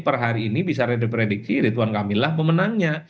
per hari ini bisa diprediksi tuan kamil lah pemenangnya